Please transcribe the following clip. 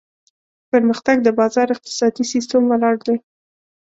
پرمختګ د بازار اقتصادي سیستم ولاړ دی.